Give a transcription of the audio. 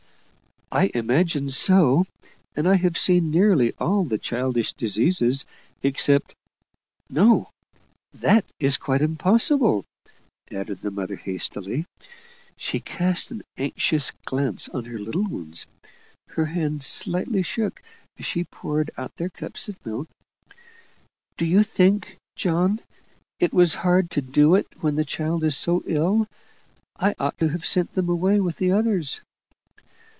"I imagine so; and I have seen nearly all childish diseases, except no, THAT is quite impossible!" added the mother, hastily. She cast an anxious glance on her little ones; her hand slightly shook as she poured out their cups of milk. "Do you think, John it was hard to do it when the child is so ill I ought to have sent them away with the others?"